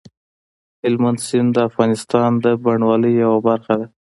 هلمند سیند د افغانستان د بڼوالۍ یوه برخه ده.